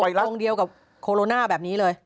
โรงเดียวกับโคโรนาแบบนี้เลย